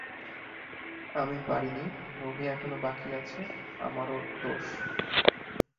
আমি পারিনি, মুভি এখনও বাকি আছে, আমার দোস।